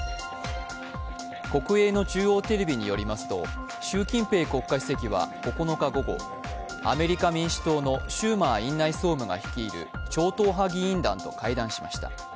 国営の中央テレビによりますと習近平国家主席は９日午後アメリカ民主党のシューマー院内総務が率いる超党派議員団と会談しました。